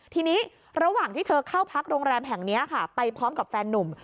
ทีนี้ระหว่างที่เธอเข้าพักโรงแรมแห่งนี้ค่ะไปพร้อมกับแฟนนุ่ม